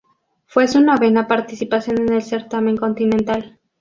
Fue su novena participación en el certamen continental.